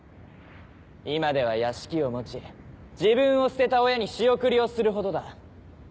今では屋敷を持ち自分を捨てた親に仕送りをするほどだ。